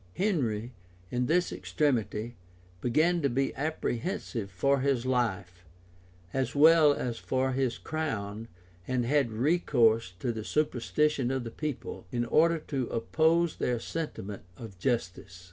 Henry, in this extremity, began to be apprehensive for his life, as well as for his crown and had recourse to the superstition of the people, in order to oppose their sentiment of justice.